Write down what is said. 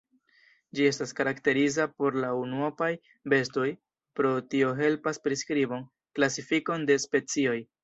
Ĝi estas karakteriza por la unuopaj bestoj, pro tio helpas priskribon, klasifikon de specioj.